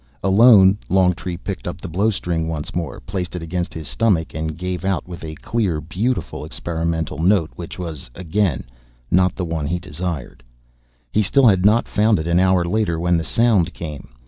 Alone, Longtree picked up the blowstring once more, placed it against his stomach, and gave out with a clear, beautiful, experimental note which was again not the one he desired. He still had not found it an hour later, when the Sound came.